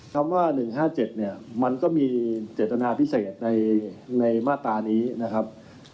คำว่า๑๕๗เนี่ยมันก็มีเจตนาพิเศษในมาตรานี้นะครับ